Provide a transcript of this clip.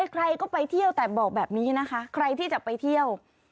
ใครก็ไปเที่ยวแต่บอกแบบนี้นะคะใครที่จะไปเที่ยว